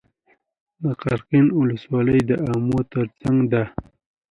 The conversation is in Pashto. د قرقین ولسوالۍ د امو تر څنګ ده